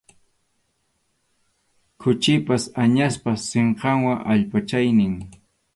Khuchipa, añaspa sinqanwan allpachaynin.